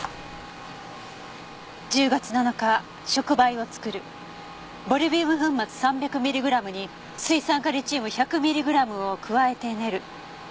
「１０月７日触媒を作る」「ボリビウム粉末３００ミリグラムに水酸化リチウム１００ミリグラムを加えて練る」